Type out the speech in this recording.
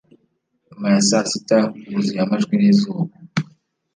Nyuma ya saa sita huzuye amajwi nizuba